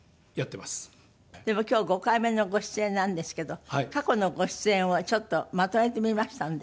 でも今日５回目のご出演なんですけど過去のご出演をちょっとまとめてみましたんで。